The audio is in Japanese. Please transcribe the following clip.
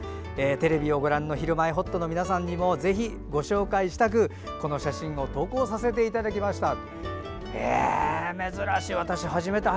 テレビをご覧の「ひるまえほっと」の皆さんにもぜひご紹介したく、この写真を投稿させていただきました。